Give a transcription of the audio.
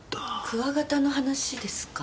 クワガタの話ですか？